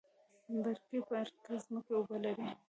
برکي برک ځمکې اوبه لري؟